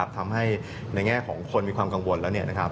ทำให้คนมีความกังวลก็เป็นไปได้นะครับ